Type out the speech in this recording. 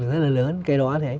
rất là lớn cái đó